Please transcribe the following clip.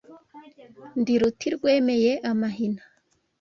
Ndi ruti rwemeye amahina